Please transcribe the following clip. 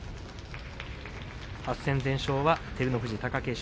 ８戦全勝は照ノ富士、貴景勝